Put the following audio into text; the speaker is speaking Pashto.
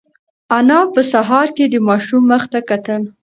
انا په سهار کې د ماشوم مخ ته کتل.